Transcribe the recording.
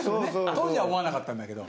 当時は思わなかったんだけど。